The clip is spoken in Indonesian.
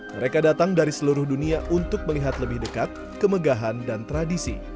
mereka datang dari seluruh dunia untuk melihat lebih dekat kemegahan dan tradisi